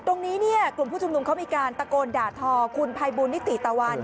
ตรงนี้เนี่ยกลุ่มผู้ชุมนุมเขามีการตะโกนด่าทอคุณภัยบูลนิติตะวัน